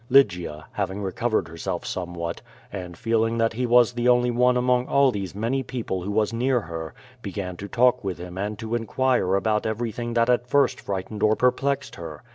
Lygia, having recovered herself somewhat, and feeling that he was the only one among all these many people who was near her, began to talk with him and to inquire about every thing that at first frightened or perplexed her.